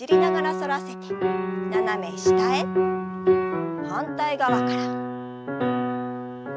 反対側から。